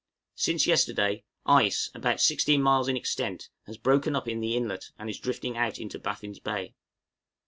Since yesterday, ice, about 16 miles in extent, has broken up in the inlet, and is drifting out into Baffin's Bay.